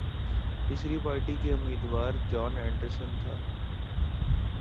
تیسری پارٹی کے امیدوار جان اینڈرسن تھا